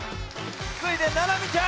つづいてななみちゃん！